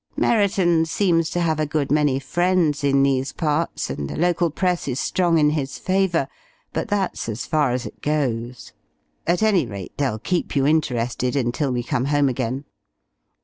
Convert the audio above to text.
Merriton seems to have a good many friends in these parts, and the local press is strong in his favour. But that's as far as it goes. At any rate, they'll keep you interested until we come home again.